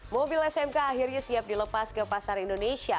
mobil smk akhirnya siap dilepas ke pasar indonesia